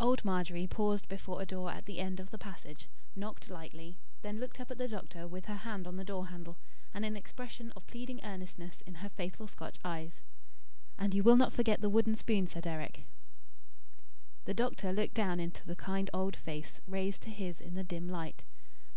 Old Margery paused before a door at the end of the passage, knocked lightly; then looked up at the doctor with her hand on the door handle, and an expression of pleading earnestness in her faithful Scotch eyes. "And you will not forget the wooden spoon, Sir Deryck?" The doctor looked down into the kind old face raised to his in the dim light.